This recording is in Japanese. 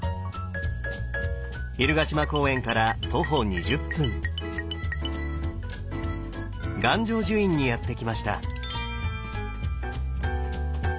蛭ヶ島公園から徒歩２０分願成就院にやって来ました。